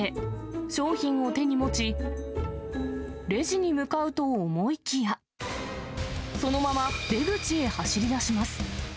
商品を手に持ち、レジに向かうと思いきや、そのまま、出口へ走りだします。